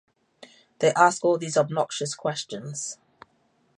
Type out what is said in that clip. they ask all these obnoxious questions